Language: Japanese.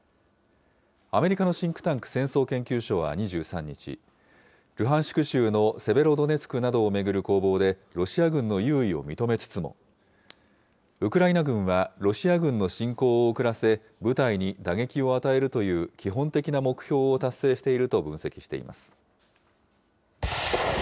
アメリカのシンクタンク、戦争研究所は２３日、ルハンシク州のセベロドネツクなどを巡る攻防でロシア軍の優位を認めつつも、ウクライナ軍はロシア軍の侵攻を遅らせ、部隊に打撃を与えるという基本的な目標を達成していると分析しています。